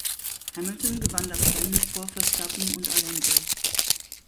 Hamilton gewann das Rennen vor Verstappen und Alonso.